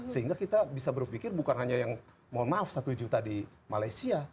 sehingga kita bisa berpikir bukan hanya yang mohon maaf satu juta di malaysia